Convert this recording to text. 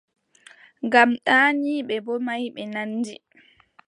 Ngam ɗaaniiɓe boo maayɓe nandi.